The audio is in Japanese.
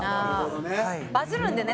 「バズるんだよね